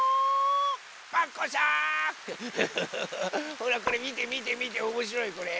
ほらこれみてみてみておもしろいこれ。